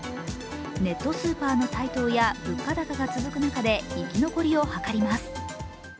ネットスーパーの台頭や物価高が続く中で生き残りを図ります。